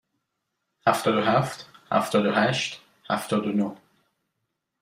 هفتاد و هفت، هفتاد و هشت، هفتاد و نه.